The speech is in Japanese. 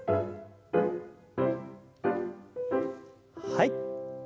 はい。